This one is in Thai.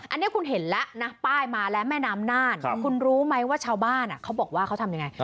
อันนี้คุณเห็นแล้วนะป้ายมาแล้วแม่น้ำน่านคุณรู้ไหมว่าชาวบ้านเขาบอกว่าเขาทำยังไง